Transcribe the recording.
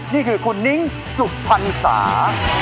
นี่คือคุณนิ้งนางสาวสุภัณษา